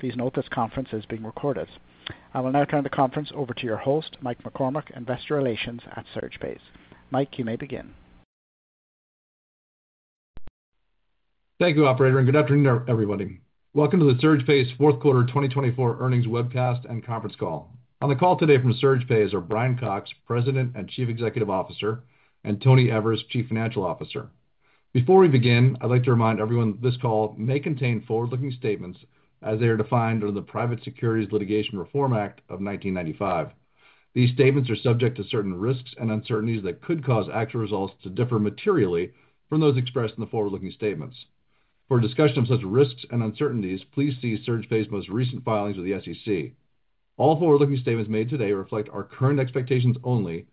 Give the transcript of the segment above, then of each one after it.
Please note this conference is being recorded. I will now turn the conference over to your host, Mike McCormack, Investor Relations at SurgePays. Mike, you may begin. Thank you, operator, and good afternoon to everybody. Welcome to the SurgePays Fourth Quarter 2024 Earnings Webcast and Conference Call. On the call today from SurgePays are Brian Cox, President and Chief Executive Officer, and Tony Evers, Chief Financial Officer. Before we begin, I'd like to remind everyone that this call may contain forward-looking statements as they are defined under the Private Securities Litigation Reform Act of 1995. These statements are subject to certain risks and uncertainties that could cause actual results to differ materially from those expressed in the forward-looking statements. For a discussion of such risks and uncertainties, please see SurgePays' most recent filings with the SEC. All forward-looking statements made today reflect our current expectations only,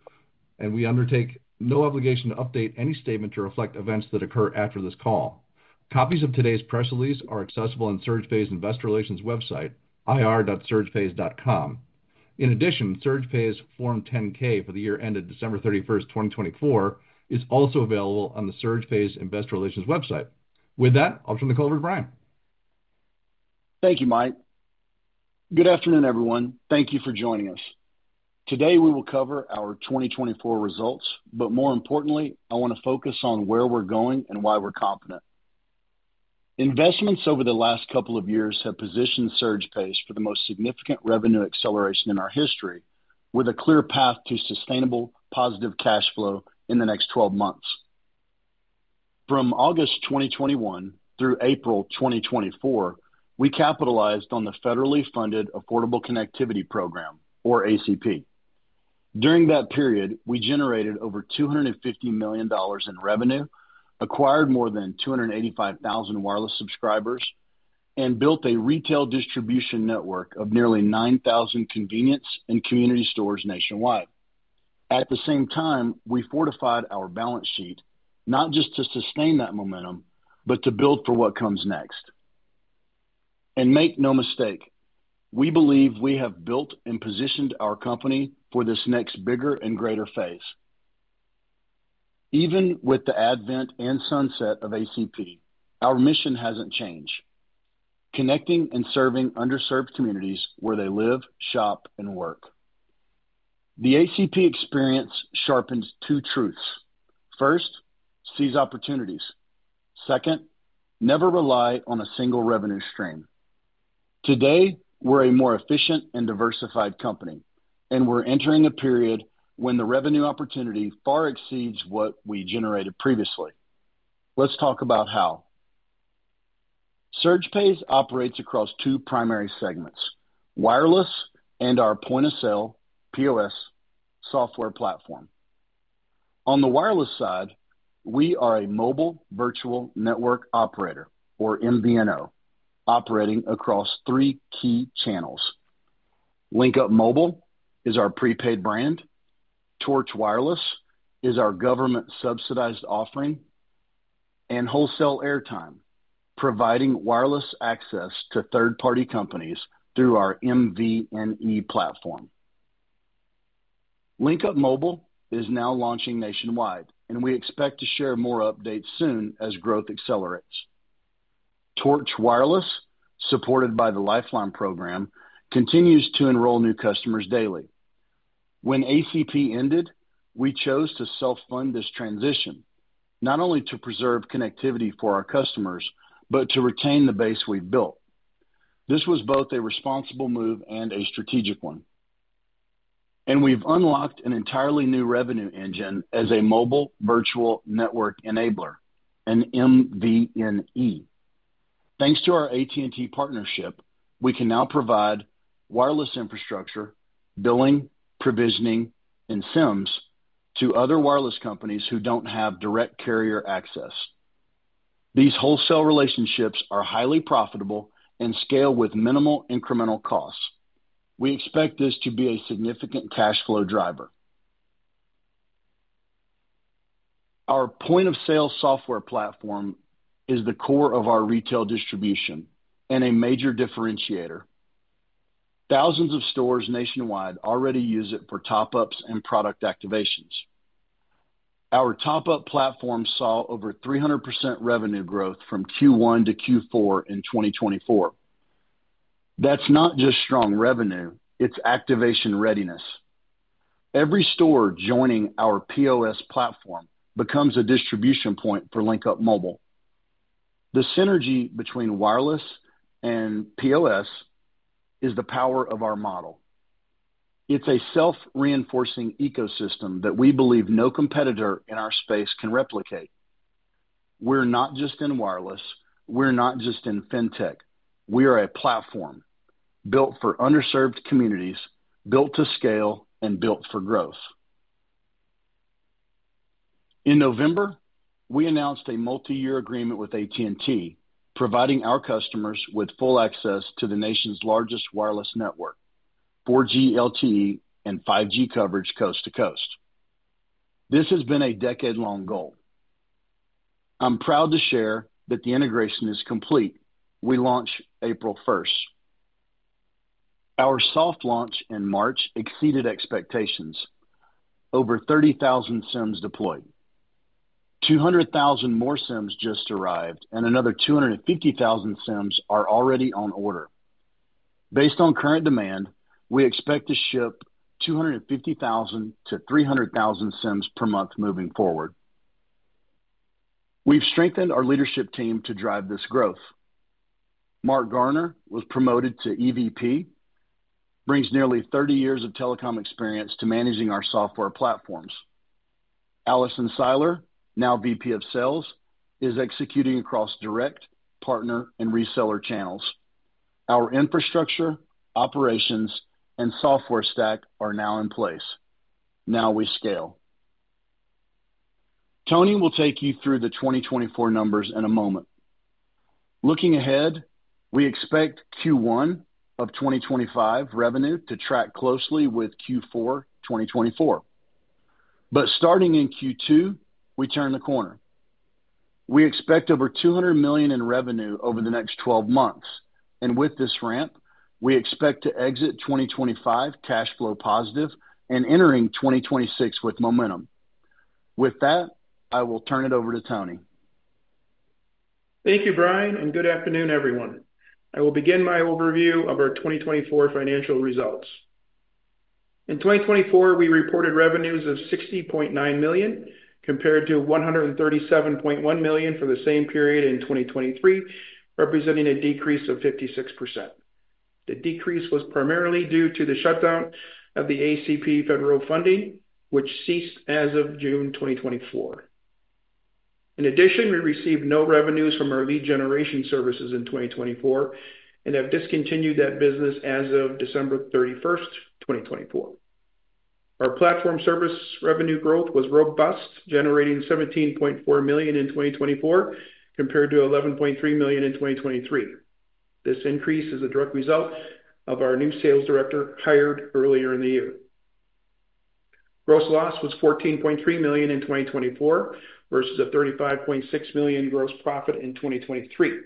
and we undertake no obligation to update any statement to reflect events that occur after this call. Copies of today's press release are accessible on SurgePays Investor Relations' website, ir.surgepays.com. In addition, SurgePays' Form 10-K for the year ended December 31st, 2024, is also available on the SurgePays Investor Relations website. With that, I'll turn the call over to Brian. Thank you, Mike. Good afternoon, everyone. Thank you for joining us. Today, we will cover our 2024 results, but more importantly, I want to focus on where we're going and why we're confident. Investments over the last couple of years have positioned SurgePays for the most significant revenue acceleration in our history, with a clear path to sustainable, positive cash flow in the next 12 months. From August 2021 through April 2024, we capitalized on the federally funded Affordable Connectivity Program, or ACP. During that period, we generated over $250 million in revenue, acquired more than 285,000 wireless subscribers, and built a retail distribution network of nearly 9,000 convenience and community stores nationwide. At the same time, we fortified our balance sheet not just to sustain that momentum, but to build for what comes next. Make no mistake, we believe we have built and positioned our company for this next bigger and greater phase. Even with the advent and sunset of ACP, our mission has not changed: connecting and serving underserved communities where they live, shop, and work. The ACP experience sharpens two truths. First, seize opportunities. Second, never rely on a single revenue stream. Today, we are a more efficient and diversified company, and we are entering a period when the revenue opportunity far exceeds what we generated previously. Let's talk about how. SurgePays operates across two primary segments: wireless and our point of sale, POS, software platform. On the wireless side, we are a mobile virtual network operator, or MVNO, operating across three key channels. LinkUp Mobile is our prepaid brand. Torch Wireless is our government-subsidized offering. Wholesale Airtime provides wireless access to third-party companies through our MVNE platform. LinkUp Mobile is now launching nationwide, and we expect to share more updates soon as growth accelerates. Torch Wireless, supported by the Lifeline Program, continues to enroll new customers daily. When ACP ended, we chose to self-fund this transition, not only to preserve connectivity for our customers, but to retain the base we've built. This was both a responsible move and a strategic one. We have unlocked an entirely new revenue engine as a mobile virtual network enabler, an MVNE. Thanks to our AT&T partnership, we can now provide wireless infrastructure, billing, provisioning, and SIMs to other wireless companies who do not have direct carrier access. These wholesale relationships are highly profitable and scale with minimal incremental costs. We expect this to be a significant cash flow driver. Our point of sale software platform is the core of our retail distribution and a major differentiator. Thousands of stores nationwide already use it for top-ups and product activations. Our top-up platform saw over 300% revenue growth from Q1 to Q4 in 2024. That's not just strong revenue; it's activation readiness. Every store joining our POS platform becomes a distribution point for LinkUp Mobile. The synergy between wireless and POS is the power of our model. It's a self-reinforcing ecosystem that we believe no competitor in our space can replicate. We're not just in wireless. We're not just in fintech. We are a platform built for underserved communities, built to scale, and built for growth. In November, we announced a multi-year agreement with AT&T, providing our customers with full access to the nation's largest wireless network, 4G LTE, and 5G coverage coast to coast. This has been a decade-long goal. I'm proud to share that the integration is complete. We launch April 1st. Our soft launch in March exceeded expectations: over 30,000 SIMs deployed. 200,000 more SIMs just arrived, and another 250,000 SIMs are already on order. Based on current demand, we expect to ship 250,000-300,000 SIMs per month moving forward. We've strengthened our leadership team to drive this growth. Mark Garner was promoted to EVP, brings nearly 30 years of telecom experience to managing our software platforms. Allison Seiler, now VP of Sales, is executing across direct, partner, and reseller channels. Our infrastructure, operations, and software stack are now in place. Now we scale. Tony will take you through the 2024 numbers in a moment. Looking ahead, we expect Q1 of 2025 revenue to track closely with Q4 2024. Starting in Q2, we turn the corner. We expect over $200 million in revenue over the next 12 months. With this ramp, we expect to exit 2025 cash flow positive and entering 2026 with momentum. With that, I will turn it over to Tony. Thank you, Brian, and good afternoon, everyone. I will begin my overview of our 2024 financial results. In 2024, we reported revenues of $60.9 million compared to $137.1 million for the same period in 2023, representing a decrease of 56%. The decrease was primarily due to the shutdown of the ACP federal funding, which ceased as of June 2024. In addition, we received no revenues from our lead generation services in 2024 and have discontinued that business as of December 31st, 2024. Our platform service revenue growth was robust, generating $17.4 million in 2024 compared to $11.3 million in 2023. This increase is a direct result of our new sales director hired earlier in the year. Gross loss was $14.3 million in 2024 versus a $35.6 million gross profit in 2023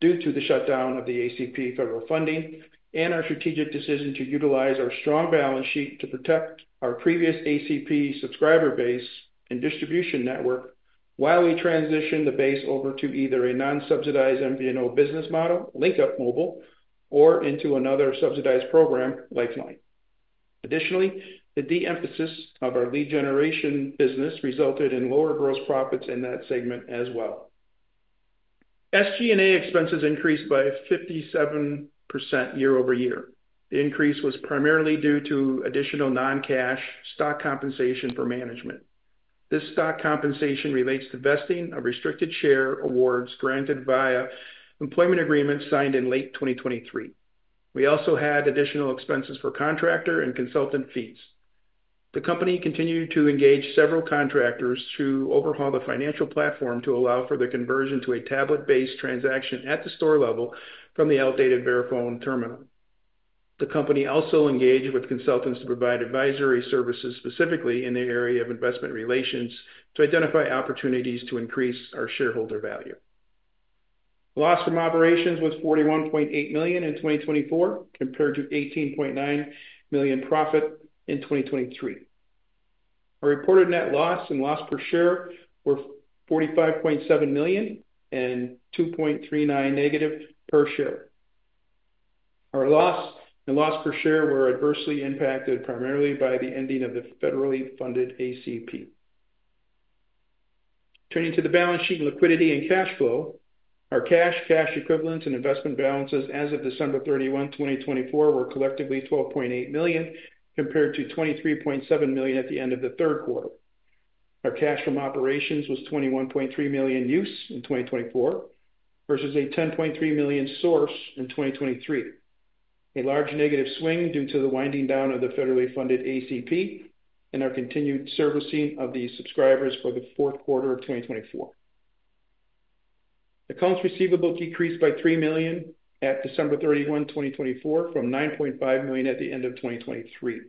due to the shutdown of the ACP federal funding and our strategic decision to utilize our strong balance sheet to protect our previous ACP subscriber base and distribution network while we transition the base over to either a non-subsidized MVNO business model, LinkUp Mobile, or into another subsidized program like Lifeline. Additionally, the de-emphasis of our lead generation business resulted in lower gross profits in that segment as well. SG&A expenses increased by 57% year-over-year. The increase was primarily due to additional non-cash stock compensation for management. This stock compensation relates to vesting of restricted share awards granted via employment agreements signed in late 2023. We also had additional expenses for contractor and consultant fees. The company continued to engage several contractors to overhaul the financial platform to allow for the conversion to a tablet-based transaction at the store level from the outdated Verifone terminal. The company also engaged with consultants to provide advisory services specifically in the area of investment relations to identify opportunities to increase our shareholder value. Loss from operations was $41.8 million in 2024 compared to $18.9 million profit in 2023. Our reported net loss and loss per share were $45.7 million and $2.39 negative per share. Our loss and loss per share were adversely impacted primarily by the ending of the federally funded ACP. Turning to the balance sheet liquidity and cash flow, our cash, cash equivalents, and investment balances as of December 31, 2024, were collectively $12.8 million compared to $23.7 million at the end of the third quarter. Our cash from operations was $21.3 million use in 2024 versus a $10.3 million source in 2023, a large negative swing due to the winding down of the federally funded ACP and our continued servicing of the subscribers for the fourth quarter of 2024. Accounts receivable decreased by $3 million at December 31, 2024, from $9.5 million at the end of 2023.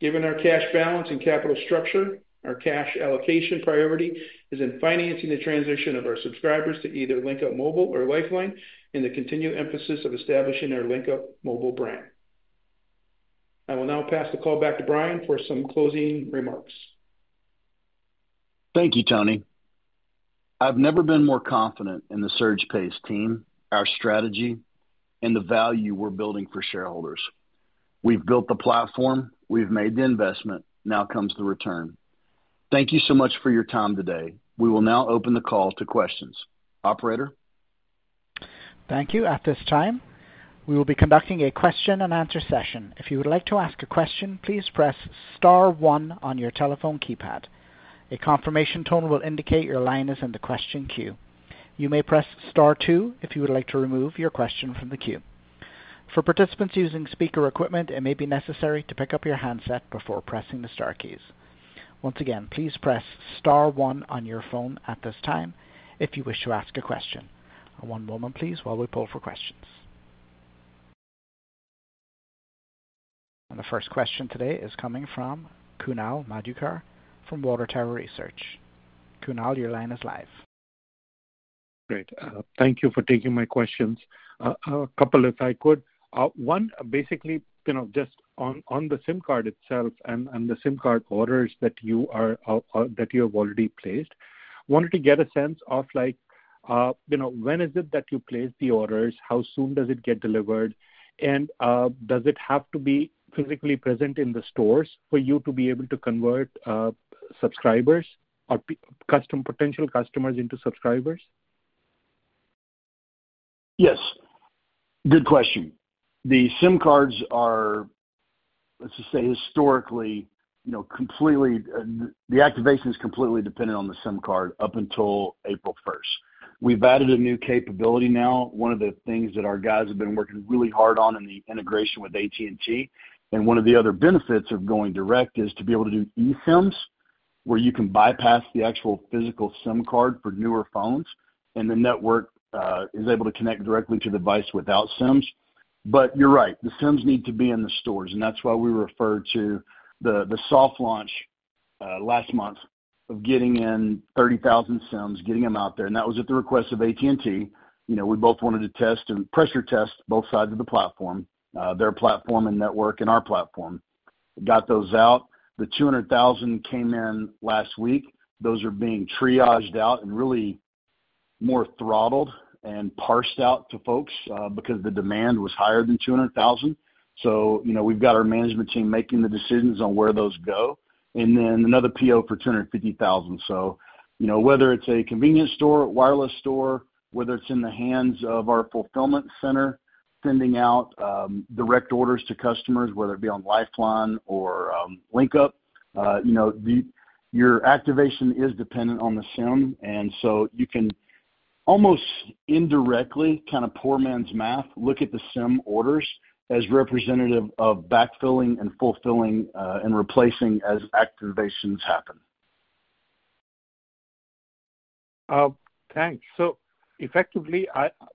Given our cash balance and capital structure, our cash allocation priority is in financing the transition of our subscribers to either LinkUp Mobile or Lifeline and the continued emphasis of establishing our LinkUp Mobile brand. I will now pass the call back to Brian for some closing remarks. Thank you, Tony. I've never been more confident in the SurgePays team, our strategy, and the value we're building for shareholders. We've built the platform. We've made the investment. Now comes the return. Thank you so much for your time today. We will now open the call to questions. Operator. Thank you. At this time, we will be conducting a question-and-answer session. If you would like to ask a question, please press Star 1 on your telephone keypad. A confirmation tone will indicate your line is in the question queue. You may press Star 2 if you would like to remove your question from the queue. For participants using speaker equipment, it may be necessary to pick up your handset before pressing the Star keys. Once again, please press Star 1 on your phone at this time if you wish to ask a question. One moment, please, while we pull for questions. The first question today is coming from Kunal Madhukar from Water Tower Research. Kunal, your line is live. Great. Thank you for taking my questions. A couple, if I could. One, basically, just on the SIM card itself and the SIM card orders that you have already placed, I wanted to get a sense of when is it that you place the orders, how soon does it get delivered, and does it have to be physically present in the stores for you to be able to convert subscribers or potential customers into subscribers? Yes. Good question. The SIM cards are, let's just say, historically, the activation is completely dependent on the SIM card up until April 1st. We've added a new capability now. One of the things that our guys have been working really hard on in the integration with AT&T and one of the other benefits of going direct is to be able to do eSIMs, where you can bypass the actual physical SIM card for newer phones, and the network is able to connect directly to the device without SIMs. You are right, the SIMs need to be in the stores, and that is why we referred to the soft launch last month of getting in 30,000 SIMs, getting them out there. That was at the request of AT&T. We both wanted to test and pressure test both sides of the platform, their platform and network and our platform. Got those out. The 200,000 came in last week. Those are being triaged out and really more throttled and parsed out to folks because the demand was higher than 200,000. We have our management team making the decisions on where those go. Another PO for 250,000. Whether it is a convenience store, wireless store, whether it is in the hands of our fulfillment center sending out direct orders to customers, whether it be on Lifeline or LinkUp, your activation is dependent on the SIM. You can almost indirectly, kind of poor man's math, look at the SIM orders as representative of backfilling and fulfilling and replacing as activations happen. Thanks. Effectively,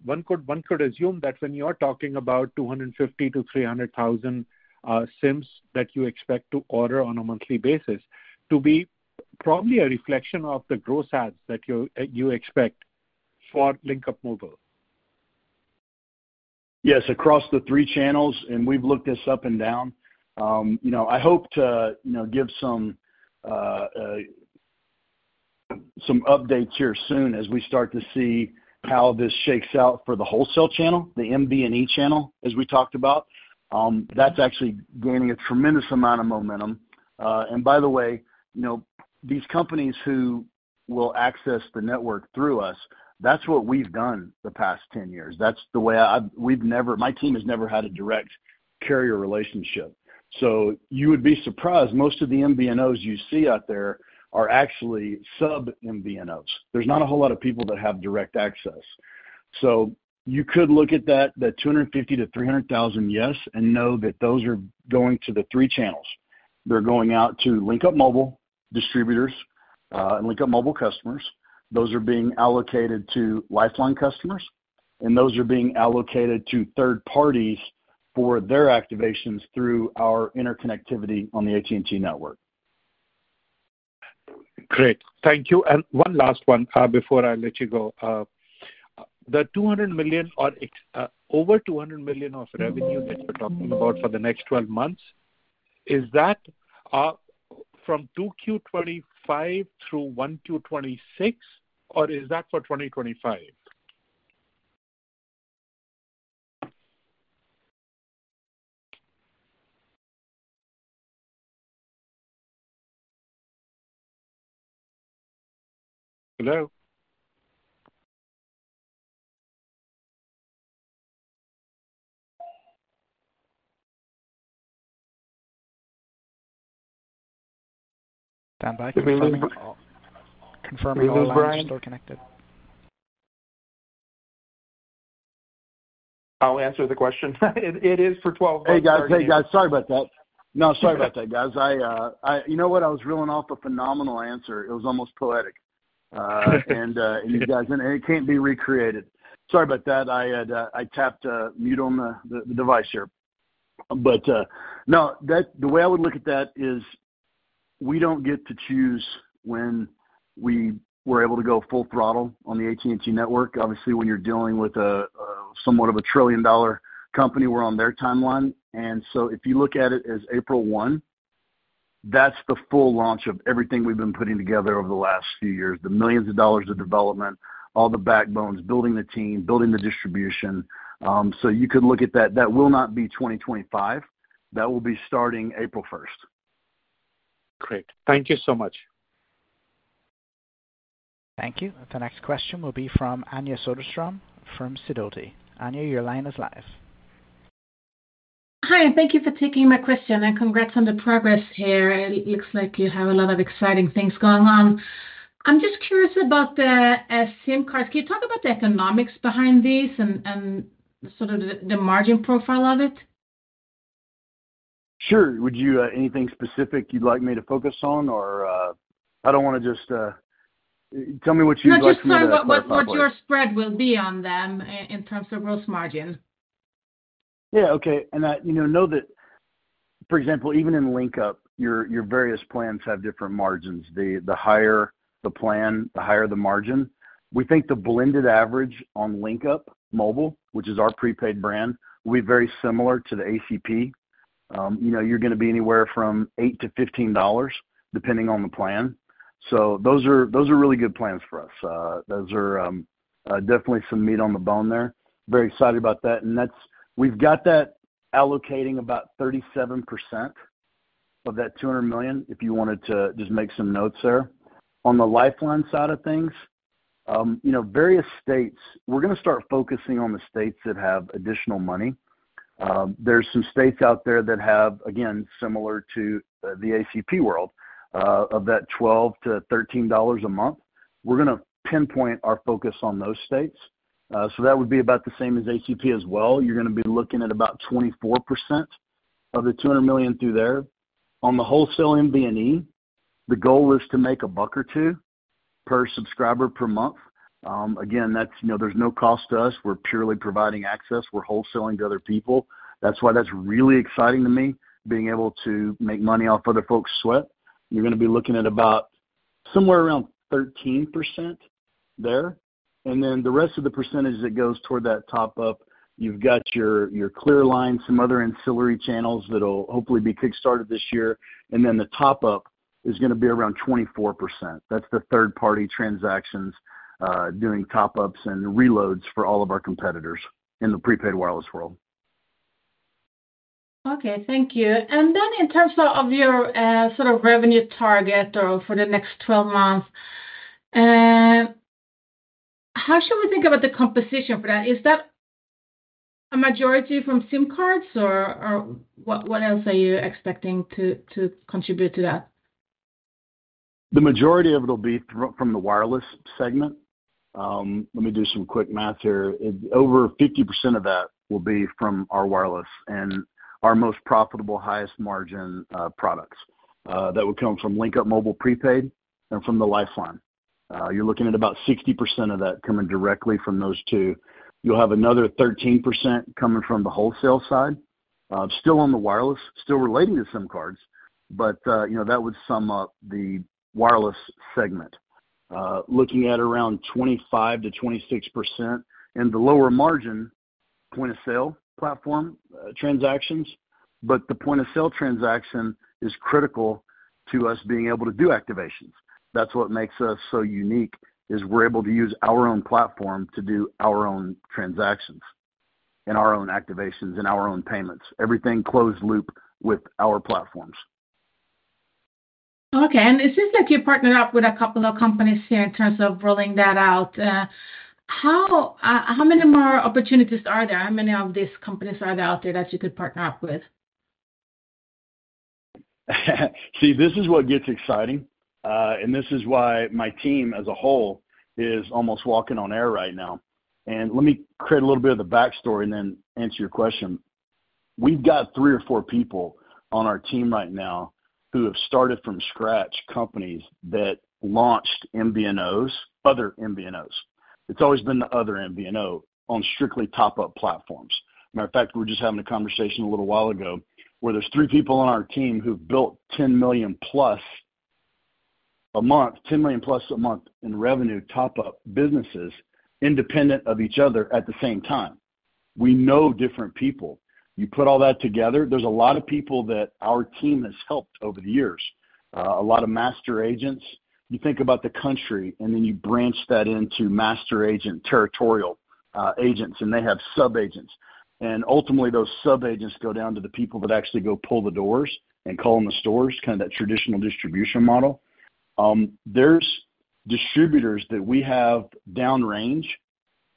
one could assume that when you are talking about 250,000-300,000 SIMs that you expect to order on a monthly basis to be probably a reflection of the gross ads that you expect for LinkUp Mobile. Yes, across the three channels, and we've looked this up and down. I hope to give some updates here soon as we start to see how this shakes out for the wholesale channel, the MVNE channel, as we talked about. That's actually gaining a tremendous amount of momentum. By the way, these companies who will access the network through us, that's what we've done the past 10 years. That's the way my team has never had a direct carrier relationship. You would be surprised. Most of the MVNOs you see out there are actually sub-MVNOs. There's not a whole lot of people that have direct access. You could look at that, the 250,000-300,000, yes, and know that those are going to the three channels. They're going out to LinkUp Mobile distributors and LinkUp Mobile customers. Those are being allocated to Lifeline customers, and those are being allocated to third parties for their activations through our interconnectivity on the AT&T network. Great. Thank you. One last one before I let you go. The $200 million or over $200 million of revenue that you're talking about for the next 12 months, is that from 2Q 2025 through 1Q 2026, or is that for 2025? Hello? Stand by. Confirm you're all still connected. I'll answer the question. It is for 12 months. Hey, guys. Sorry about that. No, sorry about that, guys. You know what? I was reeling off a phenomenal answer. It was almost poetic. And you guys, it can't be recreated. Sorry about that. I tapped mute on the device here. No, the way I would look at that is we don't get to choose when we were able to go full throttle on the AT&T network. Obviously, when you're dealing with somewhat of a trillion-dollar company, we're on their timeline. If you look at it as April 1, that's the full launch of everything we've been putting together over the last few years, the millions of dollars of development, all the backbones, building the team, building the distribution. You could look at that. That will not be 2025. That will be starting April 1st. Great. Thank you so much. Thank you. The next question will be from Anja Soderstrom from Sidoti. Anja, your line is live. Hi. Thank you for taking my question and congrats on the progress here. It looks like you have a lot of exciting things going on. I'm just curious about the SIM cards. Can you talk about the economics behind this and sort of the margin profile of it? Sure. Anything specific you'd like me to focus on? I do not want to just tell me what you'd like to know. I'm just curious what your spread will be on them in terms of gross margin. Yeah. Okay. And know that, for example, even in LinkUp, your various plans have different margins. The higher the plan, the higher the margin. We think the blended average on LinkUp Mobile, which is our prepaid brand, will be very similar to the ACP. You're going to be anywhere from $8-$15 depending on the plan. Those are really good plans for us. Those are definitely some meat on the bone there. Very excited about that. We've got that allocating about 37% of that $200 million, if you wanted to just make some notes there. On the Lifeline side of things, various states, we're going to start focusing on the states that have additional money. There are some states out there that have, again, similar to the ACP world, of that $12-$13 a month. We're going to pinpoint our focus on those states. That would be about the same as ACP as well. You're going to be looking at about 24% of the 200 million through there. On the wholesale MVNE, the goal is to make a buck or two per subscriber per month. Again, there's no cost to us. We're purely providing access. We're wholesaling to other people. That's why that's really exciting to me, being able to make money off other folks' sweat. You're going to be looking at about somewhere around 13% there. The rest of the percentage that goes toward that top-up, you've got your ClearLine, some other ancillary channels that'll hopefully be kickstarted this year. The top-up is going to be around 24%. That's the third-party transactions doing top-ups and reloads for all of our competitors in the prepaid wireless world. Okay. Thank you. In terms of your sort of revenue target for the next 12 months, how should we think about the composition for that? Is that a majority from SIM cards, or what else are you expecting to contribute to that? The majority of it will be from the wireless segment. Let me do some quick math here. Over 50% of that will be from our wireless and our most profitable, highest margin products that will come from LinkUp Mobile prepaid and from the Lifeline. You're looking at about 60% of that coming directly from those two. You'll have another 13% coming from the wholesale side, still on the wireless, still relating to SIM cards, but that would sum up the wireless segment, looking at around 25%-26% in the lower margin point-of-sale platform transactions. The point-of-sale transaction is critical to us being able to do activations. That's what makes us so unique, is we're able to use our own platform to do our own transactions and our own activations and our own payments. Everything closed loop with our platforms. Okay. It seems like you partnered up with a couple of companies here in terms of rolling that out. How many more opportunities are there? How many of these companies are there out there that you could partner up with? See, this is what gets exciting. This is why my team as a whole is almost walking on air right now. Let me create a little bit of the backstory and then answer your question. We've got three or four people on our team right now who have started from scratch companies that launched MVNOs, other MVNOs. It's always been the other MVNO on strictly top-up platforms. Matter of fact, we were just having a conversation a little while ago where there's three people on our team who've built $10 million plus a month, $10 million plus a month in revenue top-up businesses independent of each other at the same time. We know different people. You put all that together, there's a lot of people that our team has helped over the years, a lot of master agents. You think about the country, and then you branch that into master agent, territorial agents, and they have sub-agents. Ultimately, those sub-agents go down to the people that actually go pull the doors and call in the stores, kind of that traditional distribution model. There are distributors that we have downrange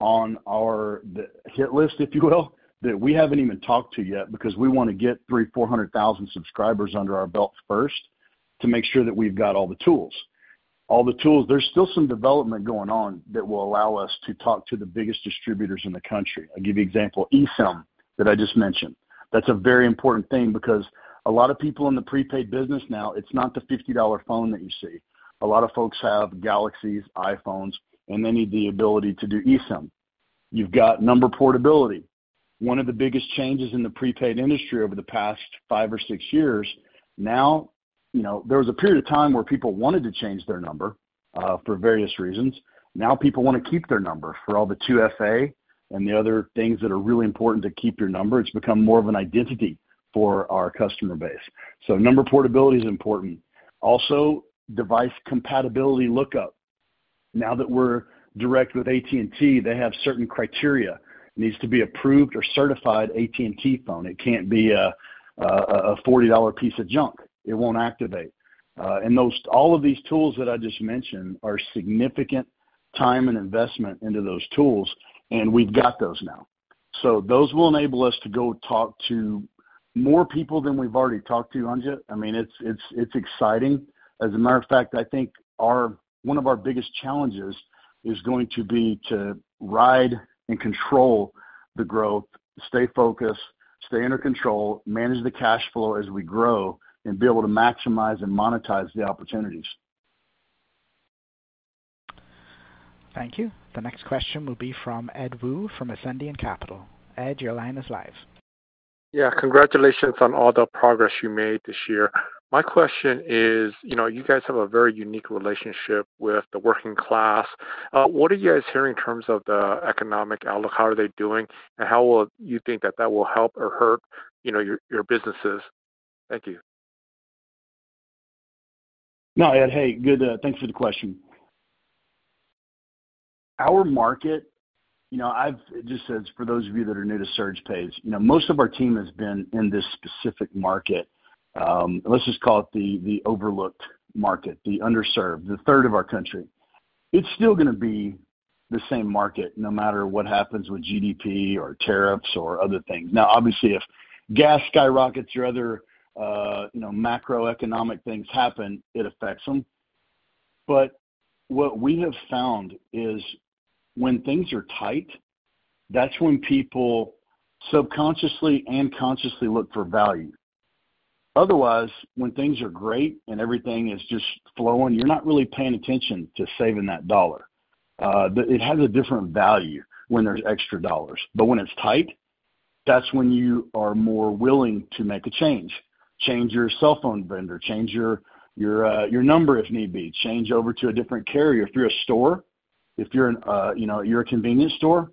on our hit list, if you will, that we have not even talked to yet because we want to get 3,400,000 subscribers under our belt first to make sure that we have all the tools. All the tools, there is still some development going on that will allow us to talk to the biggest distributors in the country. I will give you an example, eSIM that I just mentioned. That is a very important thing because a lot of people in the prepaid business now, it is not the $50 phone that you see. A lot of folks have Galaxies, iPhones, and they need the ability to do eSIM. You have got number portability. One of the biggest changes in the prepaid industry over the past five or six years, now there was a period of time where people wanted to change their number for various reasons. Now people want to keep their number for all the 2FA and the other things that are really important to keep your number. It has become more of an identity for our customer base. Number portability is important. Also, device compatibility lookup. Now that we are direct with AT&T, they have certain criteria. It needs to be an approved or certified AT&T phone. It cannot be a $40 piece of junk. It will not activate. All of these tools that I just mentioned are significant time and investment into those tools, and we have got those now. Those will enable us to go talk to more people than we've already talked to, Anja. I mean, it's exciting. As a matter of fact, I think one of our biggest challenges is going to be to ride and control the growth, stay focused, stay under control, manage the cash flow as we grow, and be able to maximize and monetize the opportunities. Thank you. The next question will be from Ed Woo from Ascendiant Capital. Ed, your line is live. Yeah. Congratulations on all the progress you made this year. My question is, you guys have a very unique relationship with the working class. What are you guys hearing in terms of the economic outlook? How are they doing? How will you think that that will help or hurt your businesses? Thank you. No, Ed, hey, good. Thanks for the question. Our market, I've just said for those of you that are new to SurgePays, most of our team has been in this specific market. Let's just call it the overlooked market, the underserved, the third of our country. It's still going to be the same market no matter what happens with GDP or tariffs or other things. Obviously, if gas skyrockets or other macroeconomic things happen, it affects them. What we have found is when things are tight, that's when people subconsciously and consciously look for value. Otherwise, when things are great and everything is just flowing, you're not really paying attention to saving that dollar. It has a different value when there's extra dollars. When it's tight, that's when you are more willing to make a change. Change your cell phone vendor, change your number if need be, change over to a different carrier. If you're a store, if you're a convenience store,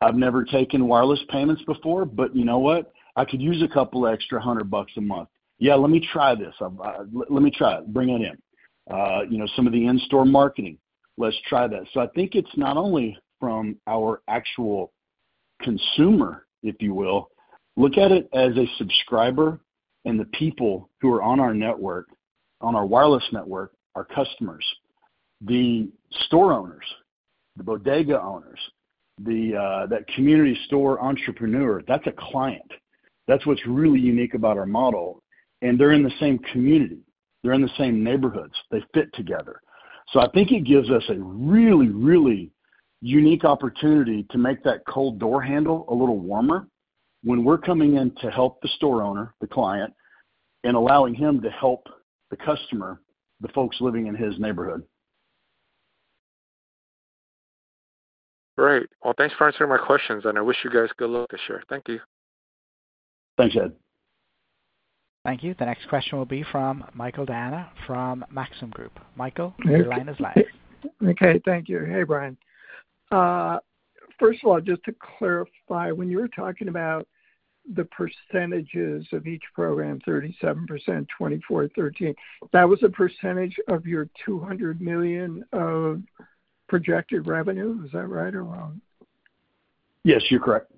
I've never taken wireless payments before, but you know what? I could use a couple of extra $100 a month. Yeah, let me try this. Let me try it. Bring it in. Some of the in-store marketing, let's try that. I think it's not only from our actual consumer, if you will. Look at it as a subscriber and the people who are on our network, on our wireless network, our customers, the store owners, the bodega owners, that community store entrepreneur, that's a client. That's what's really unique about our model. They're in the same community. They're in the same neighborhoods. They fit together. I think it gives us a really, really unique opportunity to make that cold door handle a little warmer when we're coming in to help the store owner, the client, and allowing him to help the customer, the folks living in his neighborhood. Great. Thank you for answering my questions. I wish you guys good luck this year. Thank you. Thanks, Ed. Thank you. The next question will be from Michael Diana from Maxim Group. Michael, your line is live. Okay. Thank you. Hey, Brian. First of all, just to clarify, when you were talking about the percentages of each program, 37%, 24%, 13%, that was a percentage of your $200 million of projected revenue. Is that right or wrong? Yes, you're correct.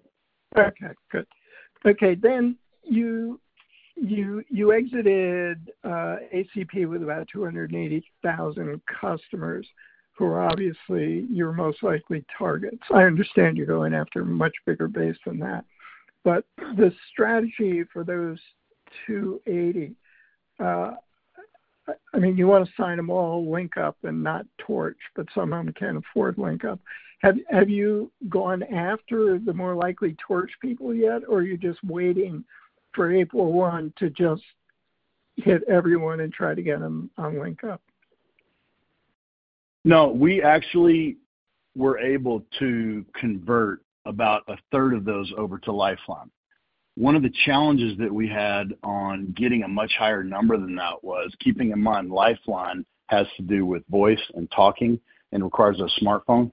Okay. Good. Okay. You exited ACP with about 280,000 customers who are obviously your most likely targets. I understand you're going after a much bigger base than that. The strategy for those 280, I mean, you want to sign them all LinkUp and not Torch, but some of them can't afford LinkUp. Have you gone after the more likely Torch people yet, or are you just waiting for April 1 to just hit everyone and try to get them on LinkUp? No, we actually were able to convert about a third of those over to Lifeline. One of the challenges that we had on getting a much higher number than that was, keeping in mind Lifeline has to do with voice and talking and requires a smartphone.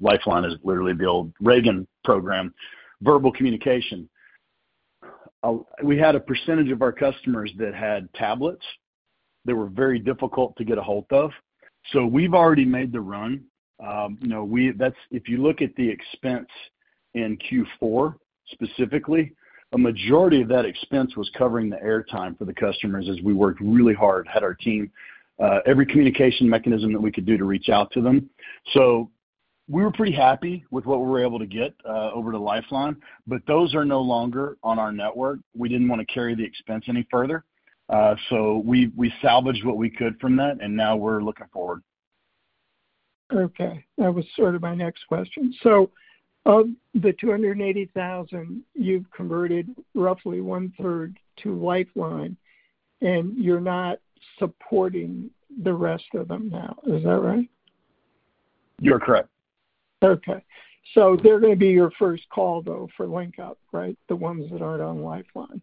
Lifeline is literally the old Reagan program, verbal communication. We had a percentage of our customers that had tablets that were very difficult to get a hold of. We have already made the run. If you look at the expense in Q4 specifically, a majority of that expense was covering the airtime for the customers as we worked really hard, had our team, every communication mechanism that we could do to reach out to them. We were pretty happy with what we were able to get over to Lifeline, but those are no longer on our network. We did not want to carry the expense any further. We salvaged what we could from that, and now we are looking forward. Okay. That was sort of my next question. Of the 280,000, you've converted roughly one-third to Lifeline, and you're not supporting the rest of them now. Is that right? You're correct. Okay. They're going to be your first call, though, for LinkUp, right? The ones that aren't on Lifeline.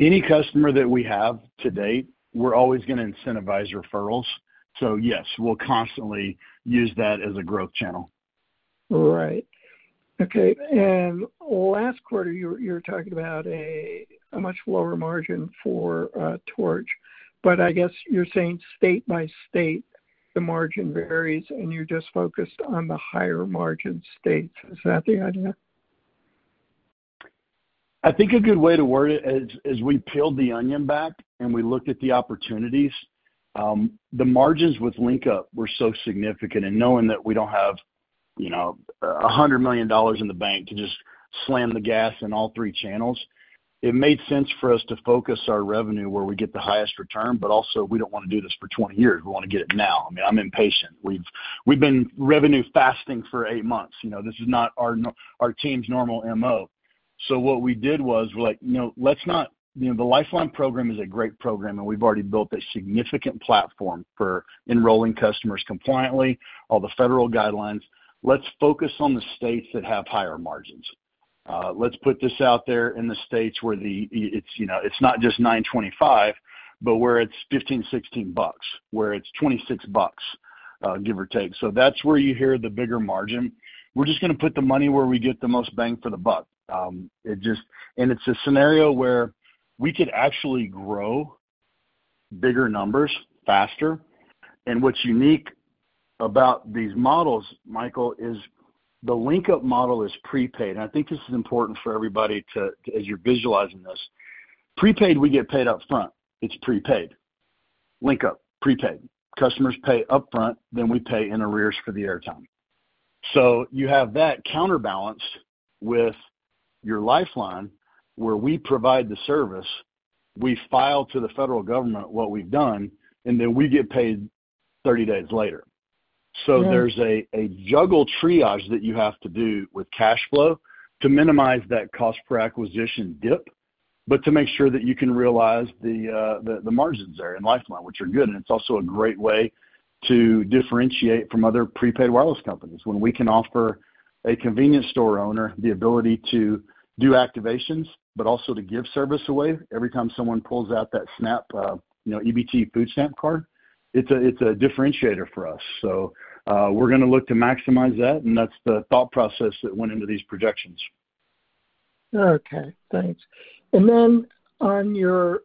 Any customer that we have to date, we're always going to incentivize referrals. Yes, we'll constantly use that as a growth channel. Right. Okay. Last quarter, you were talking about a much lower margin for Torch, but I guess you're saying state by state, the margin varies, and you're just focused on the higher margin states. Is that the idea? I think a good way to word it is we peeled the onion back and we looked at the opportunities. The margins with LinkUp were so significant. And knowing that we do not have $100 million in the bank to just slam the gas in all three channels, it made sense for us to focus our revenue where we get the highest return, but also we do not want to do this for 20 years. We want to get it now. I mean, I am impatient. We have been revenue fasting for eight months. This is not our team's normal MO. What we did was we are like, "Let's not the Lifeline program is a great program, and we have already built a significant platform for enrolling customers compliantly, all the federal guidelines. Let's focus on the states that have higher margins. Let's put this out there in the states where it's not just $9.25, but where it's $15, $16, where it's $26, give or take. That's where you hear the bigger margin. We're just going to put the money where we get the most bang for the buck. It's a scenario where we could actually grow bigger numbers faster. What's unique about these models, Michael, is the LinkUp model is prepaid. I think this is important for everybody as you're visualizing this. Prepaid, we get paid upfront. It's prepaid. LinkUp, prepaid. Customers pay upfront, then we pay in arrears for the airtime. You have that counterbalanced with your Lifeline where we provide the service. We file to the federal government what we've done, and then we get paid 30 days later. There is a juggle triage that you have to do with cash flow to minimize that cost per acquisition dip, but to make sure that you can realize the margins there in Lifeline, which are good. It is also a great way to differentiate from other prepaid wireless companies when we can offer a convenience store owner the ability to do activations, but also to give service away every time someone pulls out that SNAP EBT food stamp card. It is a differentiator for us. We are going to look to maximize that, and that is the thought process that went into these projections. Okay. Thanks. Then on your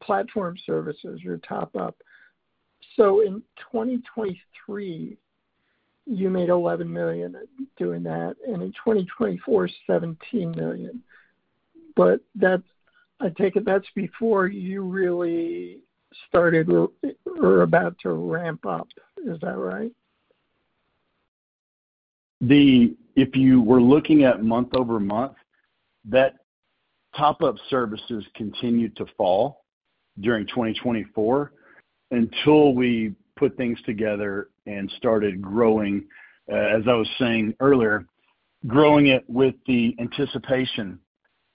platform services, your top-up, in 2023, you made $11 million doing that, and in 2024, $17 million. I take it that's before you really started or are about to ramp up. Is that right? If you were looking at month over month, that top-up services continued to fall during 2024 until we put things together and started growing, as I was saying earlier, growing it with the anticipation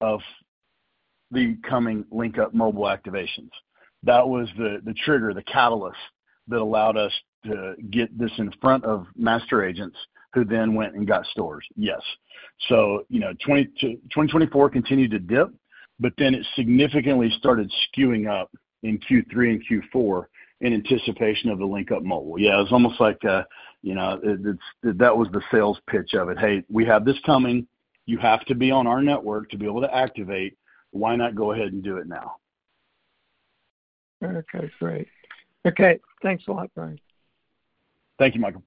of the coming LinkUp Mobile activations. That was the trigger, the catalyst that allowed us to get this in front of master agents who then went and got stores. Yes. 2024 continued to dip, but then it significantly started skewing up in Q3 and Q4 in anticipation of the LinkUp Mobile. Yeah, it was almost like that was the sales pitch of it. "Hey, we have this coming. You have to be on our network to be able to activate. Why not go ahead and do it now? Okay. Great. Okay. Thanks a lot, Brian. Thank you, Michael.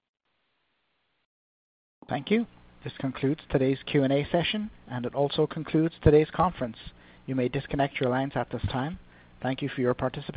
Thank you. This concludes today's Q&A session, and it also concludes today's conference. You may disconnect your lines at this time. Thank you for your participation.